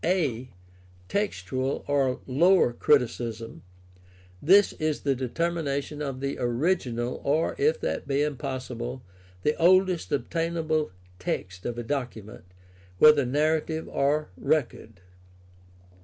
a) Textual or lower criticism. — This is the determination of the original, or, if that be impossible, the oldest obtainable text of a document, whether narrative or record.